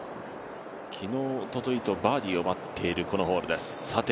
昨日、おとといとバーディーを奪っているこのホールです。